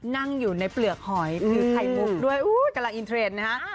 นั่งอยู่ในเปลือกหอยถือไข่มุกด้วยกำลังอินเทรนด์นะฮะ